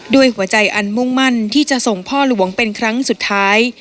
ด้วยหัวใจอันมุ่งมั่นที่จะส่งพ่อหลวงเป็นครั้งสุดท้าย